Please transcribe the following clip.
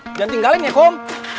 jangan tinggalin ya kum